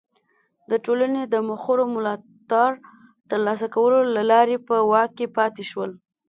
د ټولنې د مخورو ملاتړ ترلاسه کولو له لارې په واک کې پاتې شول.